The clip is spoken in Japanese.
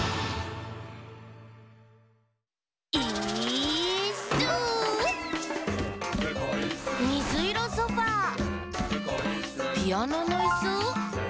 「イーッス」「みずいろソファー」「ピアノのいす？」